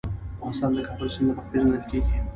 افغانستان د د کابل سیند له مخې پېژندل کېږي.